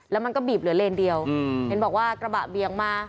แล้วมันก็บีบเหลือเลนเดียวเห็นบอกว่ากระบะเบียงมา